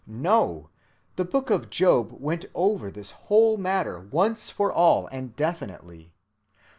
No! the book of Job went over this whole matter once for all and definitively.